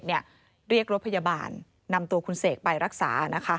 เรียกรถพยาบาลนำตัวคุณเสกไปรักษา